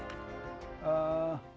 jangan lupa untuk berlangganan